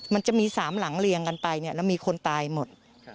มันจะมี๓หลังเรียงกันไปแล้วมีคนตายหมด